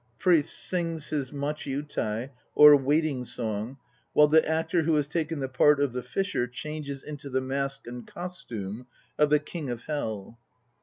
PRIEST (sings his "machi utai? 9 or waiting song, while the actor who has taken the part of the FISHER changes into the mask and costume of the KING OF HELL.)